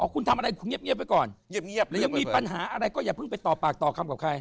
คุณทำอะไรคุณเงียบไว้ก่อนเงียบเลยยังมีปัญหาอะไรก็อย่าเพิ่งไปต่อปากต่อคำกับใคร